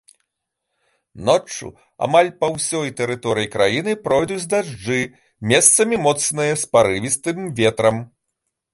Ноччу амаль па ўсёй тэрыторыі краіны пройдуць дажджы, месцамі моцныя, з парывістым ветрам.